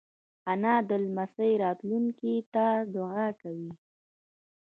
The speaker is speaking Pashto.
انا د لمسیو راتلونکې ته دعا کوي